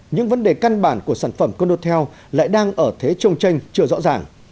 những vấn đề căn bản của sản phẩm condotel lại đang ở thế trông tranh chưa rõ ràng